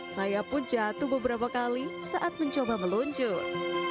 saya pun jatuh beberapa kali saat mencoba meluncur